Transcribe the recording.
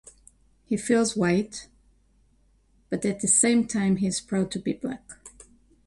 He feels white, but at the same time he is proud to be black.